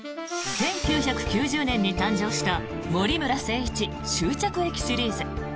１９９０年に誕生した森村誠一、「終着駅シリーズ」。